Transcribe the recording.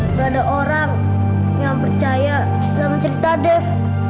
gak ada orang yang percaya sama cerita dev